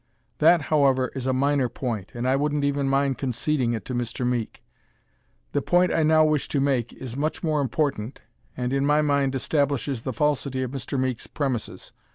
That, however, is a minor point and I wouldn't even mind conceding it to Mr. Meek. The point I now wish to make is much more important and in my mind establishes the falsity of Mr. Meek's premises.